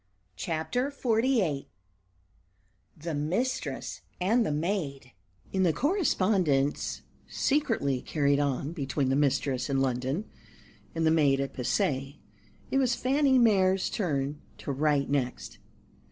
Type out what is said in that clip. CHAPTER XLVIII "THE MISTRESS AND THE MAID" IN the correspondence secretly carried on between the mistress in London and the maid at Passy, it was Fanny Mere's turn to write next.